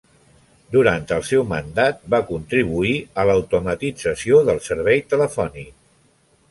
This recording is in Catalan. Durant el seu mandat va contribuir a l'automatització del servei telefònic.